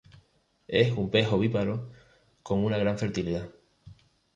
Es un pez ovíparo con una gran fertilidad.